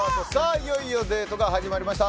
いよいよデートが始まりました。